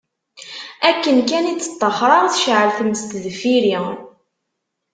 Akken kan i d-ṭṭaxreɣ, tecɛel tmes deffir-i.